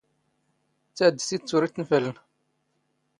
ⵜⴰⴷ ⴷ ⵜⵉⴷⵜ ⵓⵔ ⵉⵜⵜⵏⴼⴰⵍⵏ.